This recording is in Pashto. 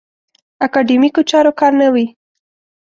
اکاډیمیکو چارو کار نه وي.